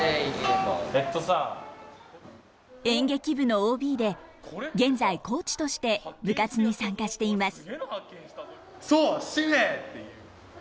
演劇部のＯＢで現在コーチとして部活に参加しています。